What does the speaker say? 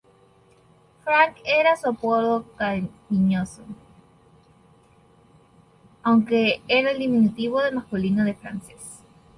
Frank era su apodo cariñoso, aunque era el diminutivo masculino de Frances.